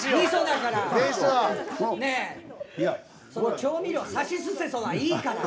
調味料さしすせそはいいから。